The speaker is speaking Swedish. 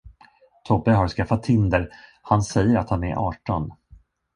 Tobbe har skaffat Tinder, han säger att han är arton.